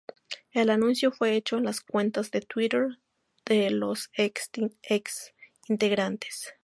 El anuncio fue hecho en las cuentas de Twitter de los ex-integrantes.